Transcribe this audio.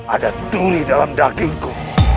ada duri dalam dagingku